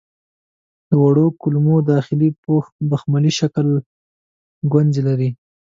د وړو کولمو داخلي پوښ بخملي شکله ګونځې لري.